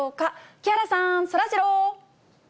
木原さん、そらジロー。